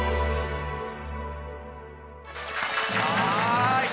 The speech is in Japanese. はい。